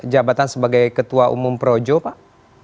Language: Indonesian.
jabatan sebagai ketua umum projo pak